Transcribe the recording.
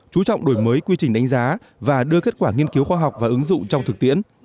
chú trọng đổi mới quy trình đánh giá và đưa kết quả nghiên cứu khoa học và ứng dụng trong thực tiễn